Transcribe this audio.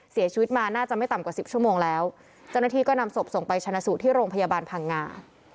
เสียชีวิตมาน่าจะไม่ต่ำกว่าสิบชั่วโมงแล้วเจ้าหน้าที่ก็นำศพส่งไปชนะสูตรที่โรงพยาบาลพังงา